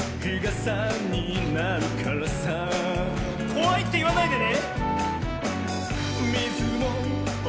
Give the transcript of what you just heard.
「こわい」っていわないでね。